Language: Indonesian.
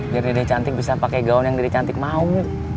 biar dede cantik bisa pakai gaun yang dede cantik mau